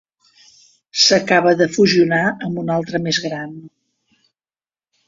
S'acabava de fusionar amb una altra més gran.